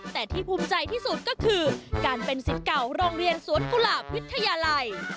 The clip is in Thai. แต่ที่ภูมิใจที่สุดก็คือการเป็นสิทธิ์เก่าโรงเรียนสวนกุหลาบวิทยาลัย